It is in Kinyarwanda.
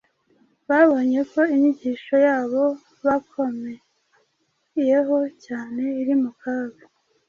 Babonye ko inyigisho yabo bakomeyeho cyane iri mu kaga